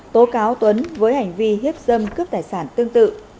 tố cáo tuấn với hành vi hiếp dâm cướp tài sản tương tự